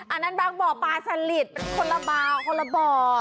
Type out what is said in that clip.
อันนั้นบางบ่อปลาสลิดคนละบ่อ